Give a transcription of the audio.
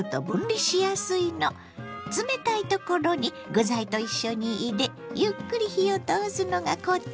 冷たいところに具材と一緒に入れゆっくり火を通すのがコツ。